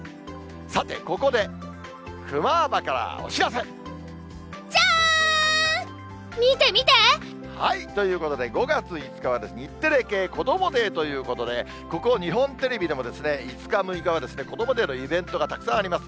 さて、ここで、クマーバからお知じゃん！ということで、５月５日は日テレ系こどもｄａｙということで、ここ、日本テレビでも５日、６日はこどもｄａｙのイベントがたくさんあります。